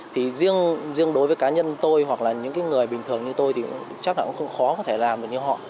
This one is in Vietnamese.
thì riêng đối với cá nhân tôi hoặc là những người bình thường như tôi thì chắc là cũng không khó có thể làm được như họ